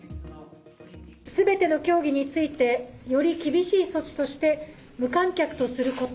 すべての競技について、より厳しい措置として、無観客とすること。